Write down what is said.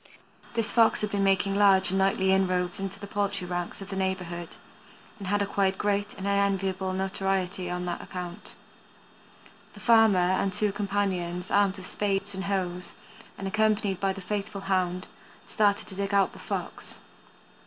This Fox had been making large and nightly inroads into the poultry ranks of the neighborhood, and had acquired great and unenviable notoriety on that account. The farmer and two companions, armed with spades and hoes, and accompanied by the faithful hound, started to dig out the Fox.